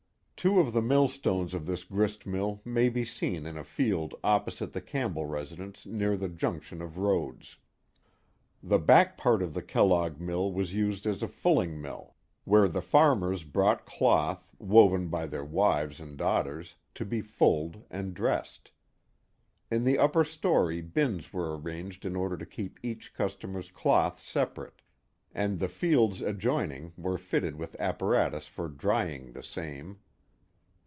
Two of the millstones of this grist mill may be seen in a field opposite the Campbell residence near the junction of roads. The back part of the Kellogg mill was used as a fulling mill, where the farmers brought cloth, woven by their wives and daughters, to be fulled and dressed. In the upper story, bins were arranged in order to keep each customer's cloth separate, and the fields adjoining were fitted with apparatus for drying the same.